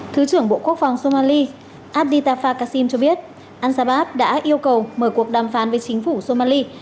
thứ trưởng bộ quốc phòng somali aditapha kassim cho biết ansabab đã yêu cầu mở cuộc đàm phán với chính phủ somali